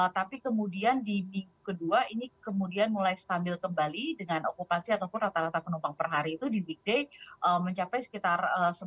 tapi kemudian di minggu kedua ini kemudian mulai stabil kembali dengan okupansi ataupun rata rata penumpang per hari itu didik day mencapai sekitar